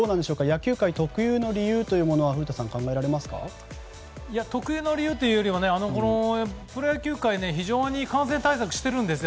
野球界特有の理由というものは特有の理由というよりプロ野球界は非常に感染対策をしているんです。